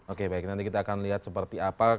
oke baik nanti kita akan lihat seperti apa